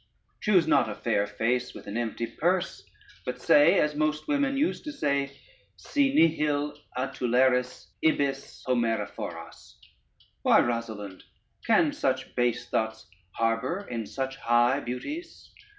Choose not a fair face with an empty purse, but say as most women use to say: Si nihil attuleris, ibis Homere foras. Why, Rosalynde! can such base thoughts harbor in such high beauties?